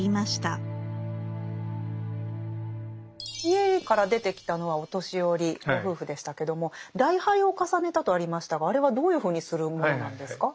家から出てきたのはお年寄りご夫婦でしたけども「礼拝を重ねた」とありましたがあれはどういうふうにするものなんですか？